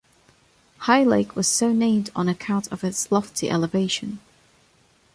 High Lake was so named on account of its lofty elevation.